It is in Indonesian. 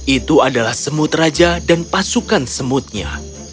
itu adalah semut raja dan pasukan semutnya